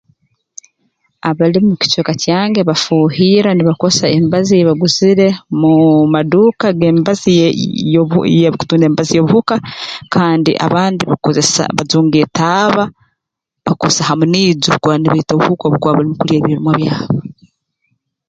Abalimi mu kicweka kyange bafuuhirra nibakozesa emibazi ei baguzire muu maduuka g'emibazi ye y'ebu ya ey'ekutunda emibazi y'obuhuka kandi abantu kukozesa bajunga etaaba bakozesa hamu n'iju kurora baita obuhuka obu kuba burumu kulya ebirimwa byabo